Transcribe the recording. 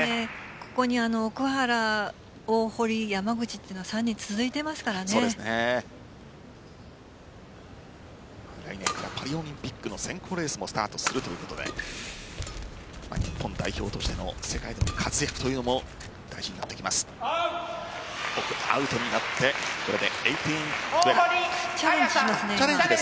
ここに奥原、大堀山口というのは来年からパリオリンピックの選考レースもスタートするということで日本代表世界の活躍というのも大事になってきます。